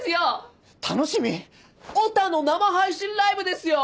オタの生配信ライブですよ！